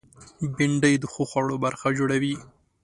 بېنډۍ د ښو خوړو برخه جوړوي